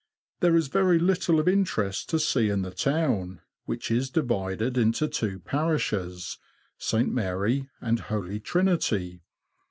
There is very little of interest to see in the town, which is divided into two parishes, St. Mary and Holy Trinity.